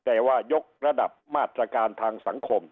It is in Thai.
แต่ว่ายกระดับมาตรการทางสังคม